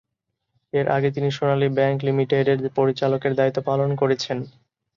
এর আগে তিনি সোনালী ব্যাংক লিমিটেডের পরিচালকের দায়িত্ব পালন করেছেন।